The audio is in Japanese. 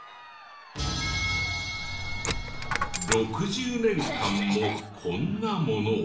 ６０年間もこんなものを。